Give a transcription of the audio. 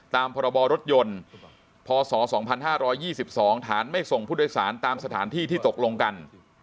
ตามพรบรถยนต์พศ๒๕๒๒ฐานไม่ส่งผู้โดยสารตามสถานที่ที่ตกลงกัน